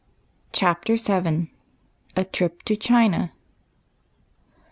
CHAPTER VII. A TRIP TO CHINA.